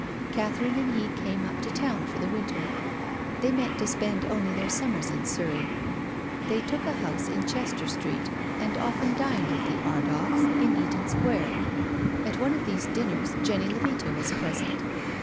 Catherine and he came up to town for the winter. They meant to spend only their summers in Surrey. They took a house in Chester Street, and often dined with the Ardnghs in I^aton Square. At one of these dinners Jenny Tcvita was present.